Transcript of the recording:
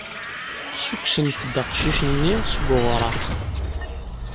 Ssukksent-d aqcic-nni seg uɣraq.